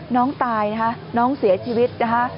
น้องตายน้องเสียชีวิต